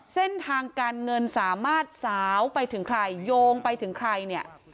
เส้นทางการเงินสามารถสาวไปถึงใครโยงไปถึงใครเนี่ย